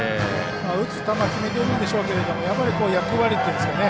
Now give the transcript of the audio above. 打つ球、決めてるんでしょうけど役割っていうんでしょうかね。